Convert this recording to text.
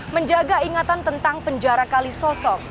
menjaga ingatan tentang penjara kali sosok